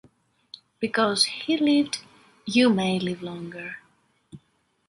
Because he lived you may live longer.